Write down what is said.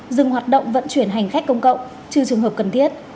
dừng hoạt động vận chuyển hành khách công cộng trừ trường hợp cần thiết